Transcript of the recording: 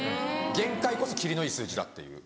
限界こそ切りのいい数字だっていう。